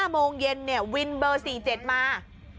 โมงเย็นวินเบอร์๔๗มา